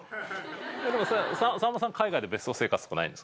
でもさんまさん海外で別荘生活とかないんですか？